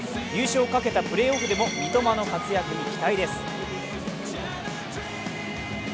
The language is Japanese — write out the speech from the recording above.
優勝をかけたプレーオフでも三笘の活躍に期待です。